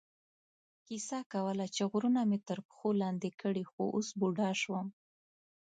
کیسه کوله چې غرونه مې تر پښو لاندې کړي، خو اوس بوډا شوم.